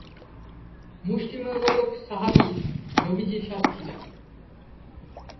মুষ্টিমের কতক সাহাবী নবীজীর সাথে ছিলেন।